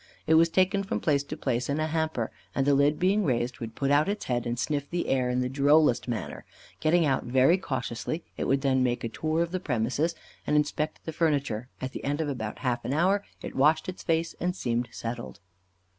It was taken from place to place in a hamper, and the lid being raised would put out its head and sniff the air in the drollest manner. Getting out very cautiously, it would then make a tour of the premises, and inspect the furniture; at the end of about half an hour it washed its face and seemed settled.